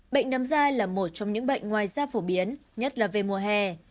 bệnh nấm dai là một trong những bệnh ngoài da phổ biến nhất là về mùa hè